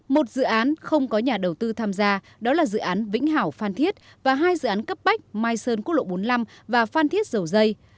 một dự án không có nhà đầu tư tham gia đó là dự án vĩnh hảo phan thiết và hai dự án cấp bách mai sơn quốc lộ bốn mươi năm và phan thiết dầu dây